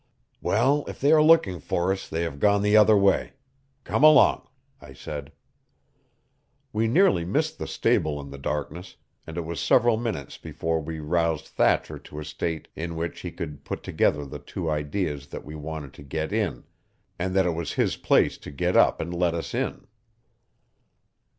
"Well, if they are looking for us they have gone the other way. Come along," I said. We nearly missed the stable in the darkness, and it was several minutes before we roused Thatcher to a state in which he could put together the two ideas that we wanted to get in, and that it was his place to get up and let us in.